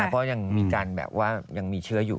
เพราะยังมีการแบบว่ายังมีเชื้ออยู่